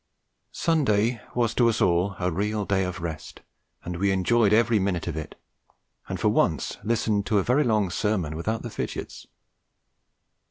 Sunday was to us all a real day of rest, and we enjoyed every minute of it, and for once listened to a very long sermon without the fidgets.